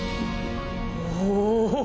お！